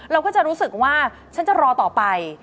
เราก็จะรู้สึกว่าฉันจะรอต่อไป